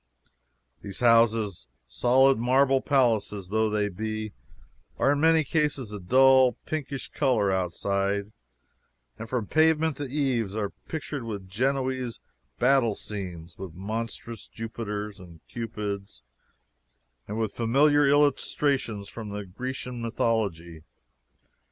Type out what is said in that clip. These houses, solid marble palaces though they be, are in many cases of a dull pinkish color, outside, and from pavement to eaves are pictured with Genoese battle scenes, with monstrous Jupiters and Cupids, and with familiar illustrations from Grecian mythology.